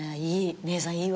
いい！